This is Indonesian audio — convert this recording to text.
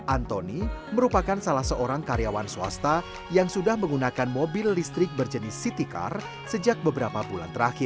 antoni merupakan salah seorang karyawan swasta yang sudah menggunakan mobil listrik berjenis city car sejak beberapa bulan terakhir